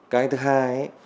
cái thứ hai